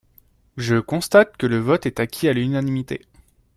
Je constate que le vote est acquis à l’unanimité.